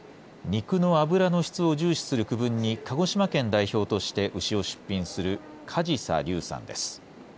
肉の脂の質を重視する区分に鹿児島県代表として牛を出品する、加治佐龍さんです。